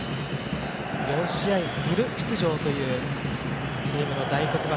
４試合フル出場というチームの大黒柱。